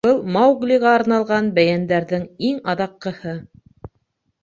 Был — Мауглиға арналған бәйәндәрҙең иң аҙаҡҡыһы.